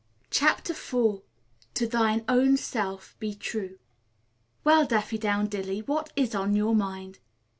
CHAPTER IV "TO THINE OWN SELF BE TRUE" "Well, Daffydowndilly, what is on your mind?"